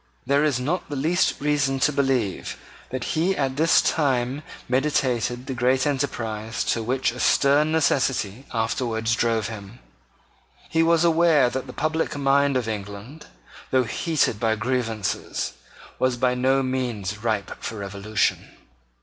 There is not the least reason to believe that he at this time meditated the great enterprise to which a stern necessity afterwards drove him. He was aware that the public mind of England, though heated by grievances, was by no means ripe for revolution.